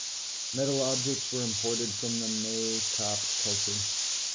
Metal objects were imported from the Maykop culture.